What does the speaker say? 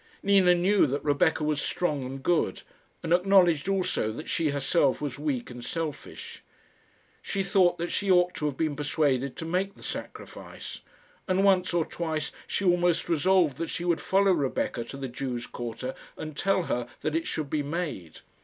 Nina knew that Rebecca was strong and good, and acknowledged also that she herself was weak and selfish. She thought that she ought to have been persuaded to make the sacrifice, and once or twice she almost resolved that she would follow Rebecca to the Jews' quarter and tell her that it should be made.